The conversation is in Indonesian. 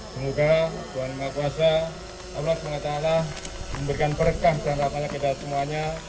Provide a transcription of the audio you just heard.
semoga tuhan maha kuasa allah swt memberikan berkah dan rahmat kita semuanya